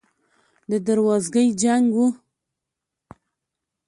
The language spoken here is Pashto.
د دروازګۍ جنګ و.